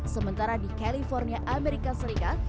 sementara di california amerika serikat